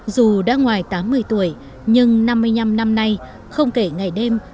dù đã ngoài tám mươi tuổi nhưng năm mươi năm năm nay không kể ngày đêm